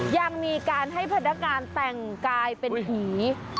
ยังมีการให้พนักงานแต่งกายเป็นผี